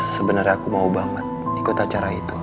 sebenarnya aku mau banget ikut acara itu